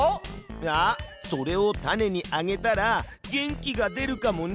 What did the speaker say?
あっそれを種にあげたら元気が出るかもね。